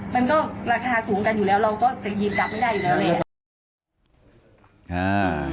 มันก็ราคาสูงกันอยู่แล้วเราก็จะยืนดับไม่ได้อยู่แล้วแหละ